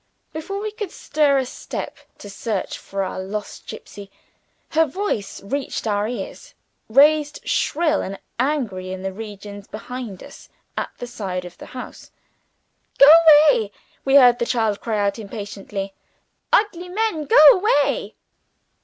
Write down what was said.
Before we could stir a step to search for our lost Gipsy, her voice reached our ears, raised shrill and angry in the regions behind us, at the side of the house. "Go away!" we heard the child cry out impatiently. "Ugly men, go away!"